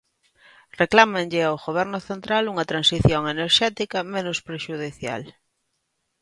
Reclámanlle ao Goberno central unha transición enerxética menos prexudicial.